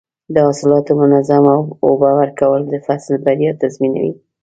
د حاصلاتو منظم اوبه ورکول د فصل بریا تضمینوي.